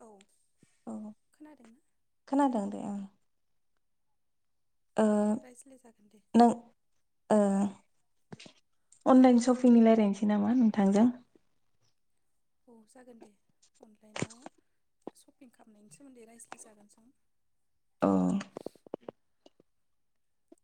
औ औ खोनादोंना खोनादों दे आं ओ दे रायज्लाय जागोन दे नों ओ अनलाइन शपिंनि रायज्लायनोसै नामा नोंथांजों औ जागोन दे अनलाइनाव सपिं खालामनायनि सोमोन्दै रायज्लायजागोन सों औ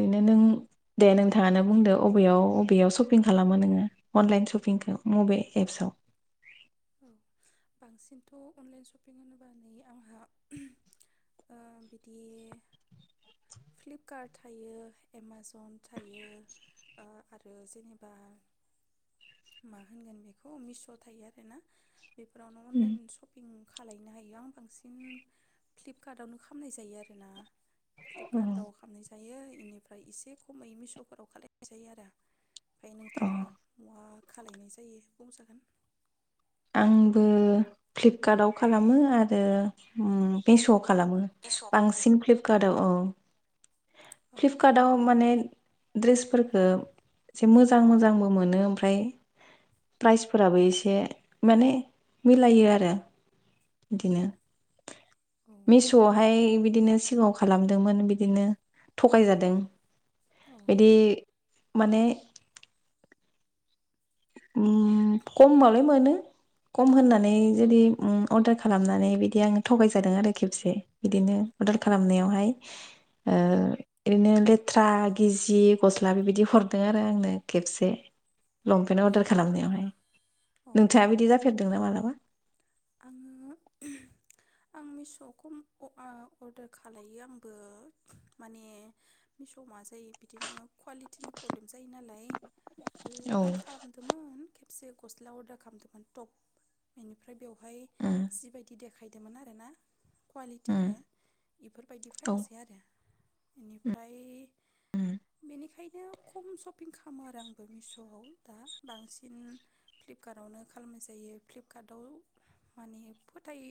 ओरैनो नों दे नोंथाङानो बुंदो बबेयाव अबेयाव शपिं खालामो नोंङो अनलाइन शपिंखौ मबे एप्सआव औ बांसिनथ अनलाइन सपिं होनोब्ला नै आंहा ओ बिदि फ्लिपकार्ट थायो एमाजन थायो आरो जेनेबा मा होनगोन बेखौ मिश थायो आरोना बेफोरावनो अनलाइन सपिं खालामलनो हायो आं बांसिन फ्लिपकार्टआवनो खामनाय जायो आरोना फ्लिपकार्ट दाव खालामनाय जायो बेनिफ्राय एसे खमै मिसफोराव खालनाय जायो आरो ओमफ्राय अ नोंथांङालाय मा खालायनाय जायो बुंजागोन आंबो फ्लिपकार्टव खालामो आरो मिस खालामो मिस' औ बांसिन ककारदआव औ औ [unintelligible] फ्लिपकार्टव माने दड्रेसफोरखौ एसे मोजां मोजांबो मोनो ओमफ्राय प्राइसफोराबो एसे माने मिलायो आरो बिदिनो अ मिस आवहाय बिदि बिदिनो सिगांङाव खालामदोंमोन बिदिनो थगायजादों बिदि माने ओम खमावलाय मोनो खम होननानै जुदि अर्डार खालामनानै बिदि आं थगायजादों आरो खेबसे बिदिनो अर्डार खालामनायावहाय ओ ओरैनो लेथ्रा गिजि गस्ला बेबायदि हरदों आरो आंनो खेबसे लंपेन अरदार खालामनायावहाय अ नोंथांङा बिदि जाफेरदोंना मालाबा आंङो आं मिसखौ अर्डार खालामलो आंबो माने मिसौआव मा जायो बिदिनो कुवालिटिनि प्रब्लेम जायो नालाय औ आं खालामदोंमोन खबसे गस्ला अर्डार खालामदोंमोन टप बेनिफ्राय बेव बेहाय उम जिबायदि देखाय बिदोंमोन आरोना उम कुवालिटिखौ बेफोरबायदि औ फैयासै आरो बेनिफ्राय उम बेनिखायनो खम सपिं खालामो आरो आंबो मिशआव दा बांसिन फ्लिपकार्टआवनो खालामनाय जायो फ्लिपकार्टआव माने फोथाय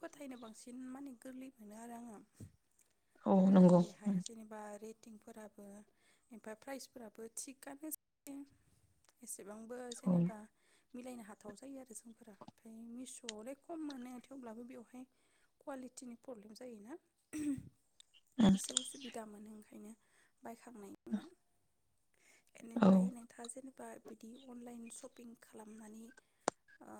फोथायनो बांसिन माने गोरलै मोनो आरो आंङो औ नंगौ बेहाय उम जेनेबा रेट फटिंफोराबो एबा प्राइजफोराबो थिगानो जायो बेसेबांबो औ जेनेबा मिलायनो हाथाव जायो आरो जोंफोरा ओमफ्राय मिशआवले खम मोनो थेवब्लाबो बेवहाय कुवालिटिनि प्रब्लेम जायोना उम एसे उसुबिदा मोनो ओंखायनो बायखां ह बेनिफ्राय नोंथा जेने [unintelligible] बा बिदि अनलाइन सपिं खालामनानै ओ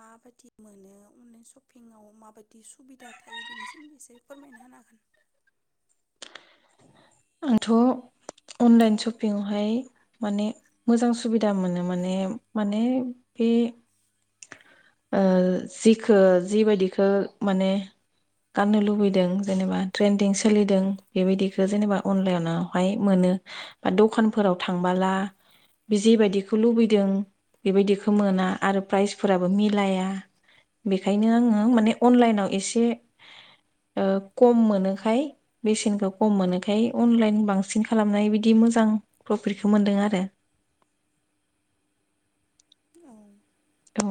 माबायदि मोनो अनलाइन सपिंआव माबायदि सुबिदा थायो बेनि सोमोन्दै इसे फोरमायना होनो हागोन आंथ' अनलाइन सपिंआवहाय माने मोजां सुबिदा मोनो माने माने बे ओ जिखो जिबायदिखो माने गाननो लुबैदों जेनेबा ट्रेन्दिं सोलिदों बेबायदिखो जेनेबा अनलाइनावहाय मोनो बा दखानफोराव थांबाला बे जेबायदिखौ लुबैदों बेबायदिखौ मोना आरो प्राइसफोराबो मिलाया बेखायनो आङो माने अनलाइनाव एसे ओ कम मोनोखाय बेसेनखौ कम मोनोख ओंखाय अनलाइन बांसिन खालामनाय बिदि मोजां प्रफिटखौ मोनदों आरो औ औ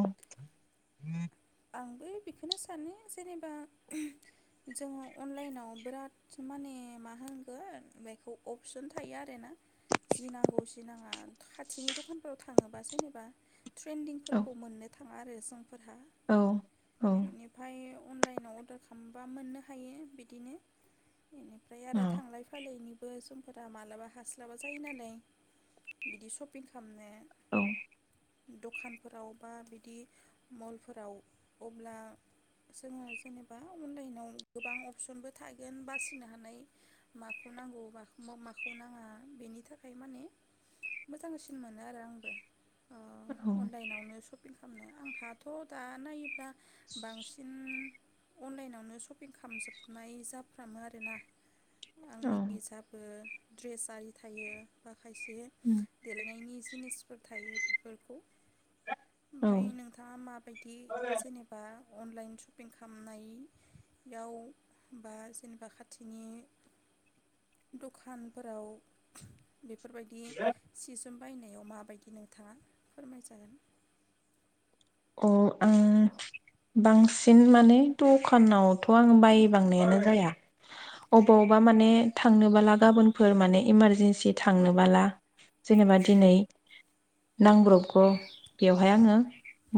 आंबो बेखोनो सानो जेनेबा जोङो अनलाइनाव बिराद माने मा होनगोन बेखौ अपसन थायो आरोना जि नांगौ जि नाङा खाथिनि दखानफोराव थाङोबा जेनेबा औ ट्रेन्दिंफोरखौ मोननो थाङा आरो समफोरहा औ औ अनलाइनाव अरदार खामबा मोननो हायो बिदिनो इनिफ्राय आरो थांलाय फायलायनि बो समफोरा मालाबा हास्लाबा जायो नालाय बिदि सपिं खामनो औ दखानफोराव बा बिदि मलफोराव अब्ला जोङो जेनेबा अनलाइनाव गोबां अपसनबो थागोन बासिनो हानाय माखौ नांगौ माखौ मा माखौ नाङा बेनि थाखाय माने मोजांसिन मोनो आरो आंबो ओ औ अनलाइनावनो सपिं खामनो आंहाथ' दा नायो दा बांसिन अनलाइनावनो सपिं खामजोबनाय जाफ्रामो आरोना आंनि जाबो ड्रेसारि थायो हा खायसे देलायनायनि [inaudible] जिनिसफोर थायो बिफोरखौ औ ओमफ्राय नोंथाङा माबायदि नेबा अनलाइन सपिं खामनाय याव बा जेनबा खाथिनि दखानफोराव बेफोरबायदि सिस बायनायाव माबायदि नोंथाङा फोरमायजागोन अ आं बांसिन माने दखानावथ' आं बायबांनायानो जाया अबावबा माने थांनोबाला गाबोनफोर माने इमारजेन्सि थांनोबाला जेनेबा दिनै नांब्रबगौ बेवहाय आङो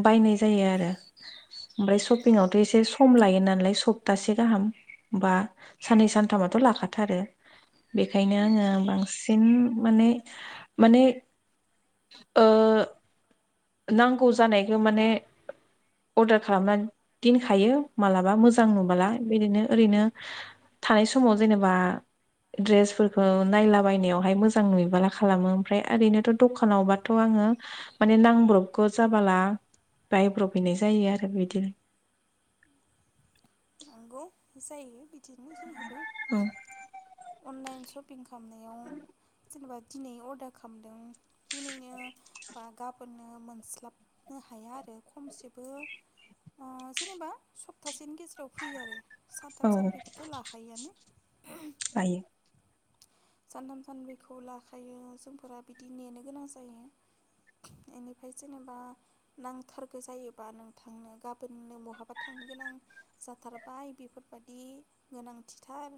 बायनाय जायो आरो। ओमफ्राय अ सपिंङावथ' एसे सम लायो नालाय सप्तासे गाहाम बा साननै सानथामाथ' लाखाथारो बेखायनो आङो बांसिन माने माने ओ नांगौ जानायखौ माने अर्दार खालामना दिनखायो मालाबा मोजां नुबाला बिदिनो ओरैनो थानाय समाव जेनेबा ड्रेसफोरखौ नायलाबायनायावहाय मोजां नुयोबाला खालामो ओमफ्राय ओरैनोथ' दखानावबाथ' आङो माने नां ब्रबगौ जाबाला बायब्र'बहैनाय जायो आरो बिदिनो। नंगौ जायो बि दिनो जोंहाबो। औ अनलाइन सपिं खामनाय [unintelligible] जेनेबा दिनै अर्डार खालामदों दिनैनो बा गाबोननो मोनस्लाबनो हाया आरो खमसेबो ओ जेनेबा सप्थासेनि गेजेराव फैयो आरो। सानथाम सानब्रैखौथ' लाखायोआनो। बायो सानथाम सानब्रैखौ लाखायो जोंफोरा बिदि नेनो गोनां जायो एनिफाय जेनेबा नांथारगो जायोबा नोंथांनो गाबोननो बहाबा थांनो गोनां जाथारबाय बिफोरबादि गोनांथिथार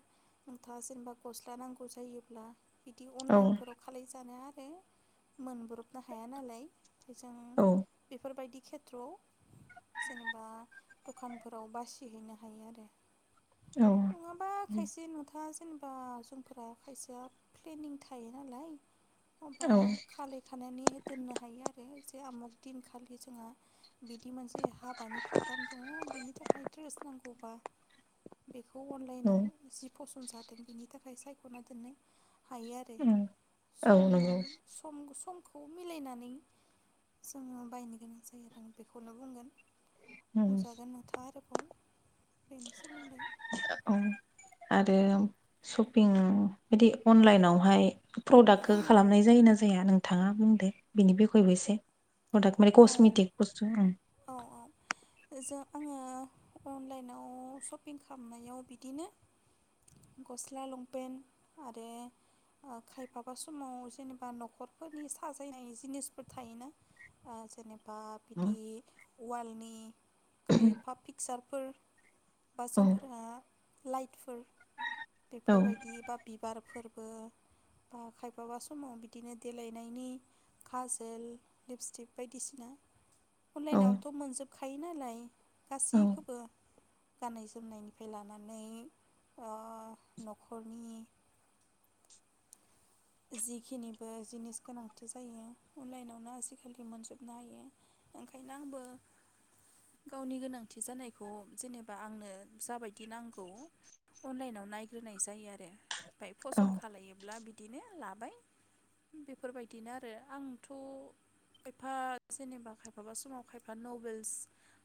नोंथाङा जेनेबा गस्ला नांगौ गौ जायोब्ला बिदि औ अनलाइनफोराव खालायजानाया [unintelligible] मोनब्रबनो हाया नालाय फैसा औ। बेफोरबायदि खेथ्रआव जेनेबा दखानफोराव बासि हैैनो हायो आरो। औ नङाबा औ खायसे नुथा जेनेबा सम फोर खायसेया प्लेनिं थायो नालाय मबा खालायखानानै दोननो हायो आरो। ए आमुक दिनखालि जोंहा बिदि मोनसे हाबानि प्रग्राम दङ बेनि थाखाय ड्रेस नांगौ। बा बे खौ औ अनलाइनाव जि फसन जादों बिनि थाखाय साय ख'ना दोननो हायो आरो औ सम नंगौ सम समखौ खौ मिलायनानै जोङो बायनो गोनां जायो आरो आं बेखौनो बुंगोन। औ बुंजागोन नोंथां आरो बेनि सोमोन्दै आरो सपिं बिदि अनलाइनावहाय प्रडाक्टखो खालामनाय जायोना‌ जा जाया नों थाङा बुंदो बिनि बिखयबो एसे? प्रडाक माने औ कसमेटक बस्थु ओं। औ औ जों आङो अनलाइनाव सपिं खालामनायाव बिदिनो गस्ला लंपेन्ट आरो ओ खायफाबा समाव जेनेबा न'खरफोरनि साजायनाय जिनिसफोर थायोना? ओ जेनेबा बा औ बिदि वालनि खायफा पिकसारफोर बा औ जुमफोरा लाइटफोर औ बेफोरबायदि बा बिब बिबार फोरबो बा खायफाबा समाव बिदिनो देलायनायनि खाजोल लिपस्टिक बायदिसिना औ अनलाइनावनोथ' मोनजोब खायो नालाय गासैखौबो गाननाय जोमनायनिफ्राय लानानै न'खरनि जिखिनिबो जिनिस गोनांथि जायो अनलाइनावनो आजिखालि मोनजोबनो हायो ओंखायनो आंबो गावनि गोनांथि जानायखौ जेनेबा आंनो जाबायदि नांगौ अनलाइनाव नायग्रोनाय जायो आरो। ओमफ्राय औ फसन्द खालामलायोब्ला बिदि दिनो लाबाय बेफोरबायदिनो आरो आंथ' खायफा जेनेबा खायफाबा समाव खायफा नभेल्स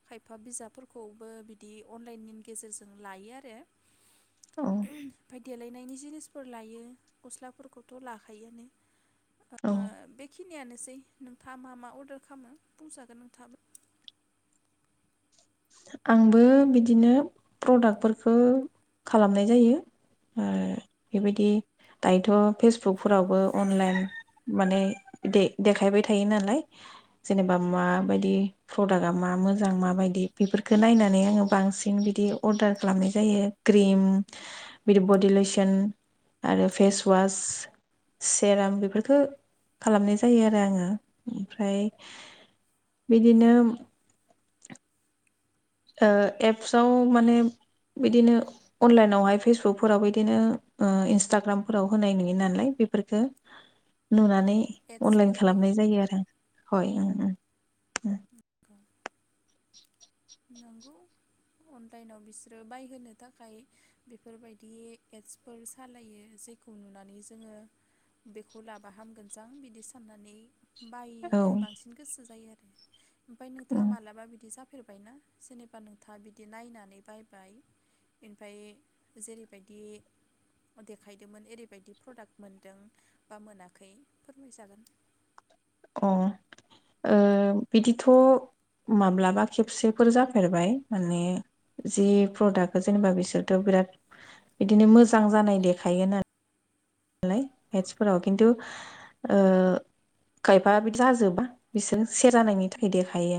खायफा बिजाबफोरखौबो बिदि अनलाइननि गेजेरजों लायो आरो [inaudible] देलायनायनि जिनिसफोर लायो गस्लाफोरखौ थ' लाखायोआनो औ ओ बेखि नियानोसै नोंथाङा मा मा अर्डार खालामो बुंजागोन नोंथाङाबो आंबो बिदिनो प्रडाक्टफोरखौ खालामनाय जायो ओ बेबायदि दायोथ' फेसबुकफोरावबो अनलाइन माने दे देखायबाय थायो नालाय जेनेबा माबायदि प्रदाक्टआ मा मोजां माबायदि बेफोरखौ नायनानै आङो बांसिन बिदि अर्डार खालामनाय जायो क्रिम बिदि बडि लइसन आरो फेसवास सेराम बेफोरफोरखौ खालामनाय जायो आरो आङो ओमफ्राय बिदिनो ओ एप्सआव माने बिदिनो अनलाइनावहाय फेसबुकफोराव बिदिनो ओ इन्सटाग्रामफोराव होनाय नुयो नालाय बेफोरफोरखौ औ नुनानै अनलाइन एड्सफोर होयो खालामनाय जायो आरोना आरो हय ओ नंगौ नंगौ अनलाइनाव बिसोरो बायहोनो थाखाय बेफोरबायदि एद्सफोर सालायो जेखौ नुनानै जोङो बेखौ लाबाहामगोनजां बिदि साननानै औ बायनो बांसिन गोसो जायो आरो ओमफाय नोंथाङा उम मालाबा बिदि जाफ बाय ना जेनेबा नोंथाङा बिदि नायनानै बायबाय ओमफाय जेरैबायदि देखायदोंमोन ओरैबायदि प्रडाक्ट मोनदों बा मोनाखै फोरमायजागोन। अ ओ बिदिथ' माब्लाबा खेबसेफोर जाफेरबाय माने जि प्रडाक्टखौ जेनेबा बिसोरथ' बिराद बिदिनो मोजां जानाय देखायोना एद्सफोराव खिन्थु ओ खायफा बि जाजोबा बिसोर से जानायनि थाखाय देखायो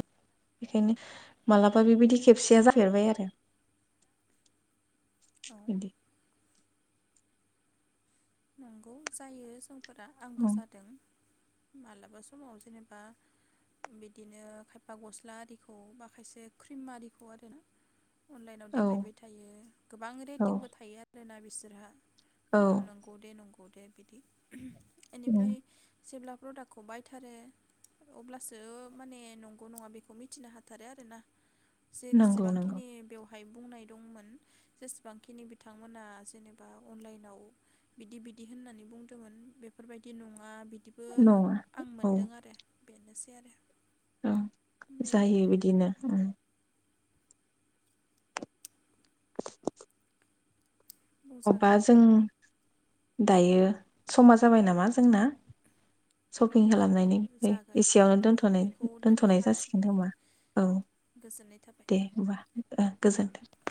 बेखायनो मालाबा बेबायदि खेबसेया जाफेरबाय आरो औ बिदि नंगौ जायो सम फोरा आंबो औ जादों मालाबा समाव जेनेबा बिदिनो खायफा गस्ला आरिखौ बा खायसे क्रिम आरिखौ आरोना अनलाइनाव देखायबाय थायो गोबां औ रेटिंबो थायो आरोना बि बिसोरहा औ [unintelligible] बे नंगौ दे बिदि इनिफ्राय उम जेब्ला प्रडाक्खौ बायथारो अब्लासो माने नंगौ नङा बेखौ मिथिनो हाथारो आरो ना। नंगौ नंगौ जेसेबांखिनि बेव हाय बुंनाय दंमोन जेसेबांखिनि बिथांमोना जेनेबा अनलाइनाव बिदि बिदि होननानै बुंदोंमोन बेफोरबायदि नङा। बिदिबो नङा आं औ मोनदों आरो बेनोसै आरो औ बेनो जायो बिदिनो अबा बुंजागोन जों दायो समा जाबाय नामा जोंना। सपिं औ खालामनायनिफ्राय जागोन एसेयावनो औ दोन'नाय बेखौ दोननो दोन्थ'नाय हासै जासिगोन औ होमबा औ गोजोननाय थाबाय दे होमबा आ गोजोन्थों